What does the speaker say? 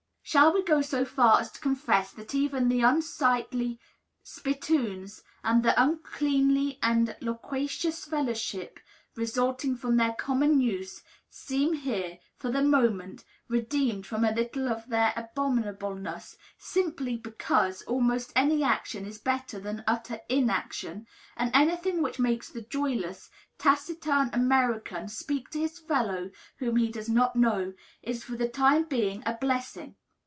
Shall we go so far as to confess that even the unsightly spittoons, and the uncleanly and loquacious fellowship resulting from their common use, seem here, for the moment, redeemed from a little of their abominableness, simply because almost any action is better than utter inaction, and any thing which makes the joyless, taciturn American speak to his fellow whom he does not know, is for the time being a blessing.